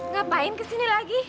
ngapain kesini lagi